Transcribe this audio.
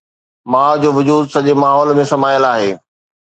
ماءُ جو وجود سڄي ماحول ۾ سمايل آهي.